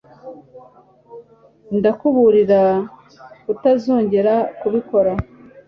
Ndakuburira kutazongera kubikora